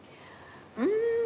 うん。